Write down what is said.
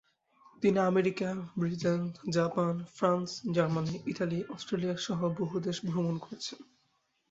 তিনি America, Britain, Japan, France, Germany, Italy, Australia সহ বহু দেশ ভ্রমণ করেছেন।